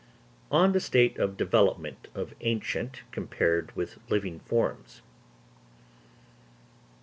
_On the State of Development of Ancient compared with Living Forms.